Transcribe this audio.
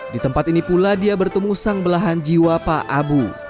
di tempat ini pula dia bertemu sang belahan jiwa pak abu